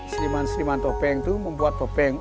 jadi seniman topeng membuat topeng itu